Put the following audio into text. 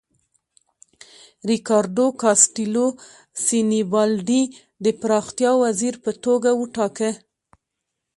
ریکاردو کاسټیلو سینیبالډي د پراختیا وزیر په توګه وټاکه.